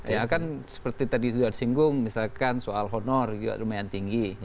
ya kan seperti tadi sudah disinggung misalkan soal honor juga lumayan tinggi